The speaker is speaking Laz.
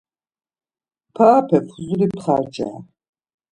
Parape fuzuli pxarcare.